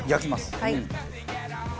はい。